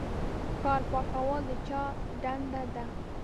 ښار پاکول د چا دنده ده؟